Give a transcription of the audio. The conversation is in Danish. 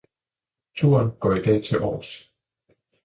Turen går i dag til Aars